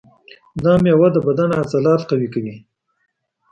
دا مېوه د بدن عضلات قوي کوي.